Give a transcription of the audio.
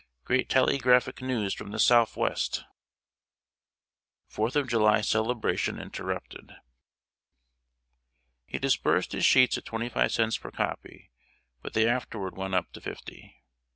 Great tallygraphic news from the Soufwest!" [Sidenote: FOURTH OF JULY CELEBRATION INTERRUPTED.] He disbursed his sheets at twenty five cents per copy, but they afterward went up to fifty.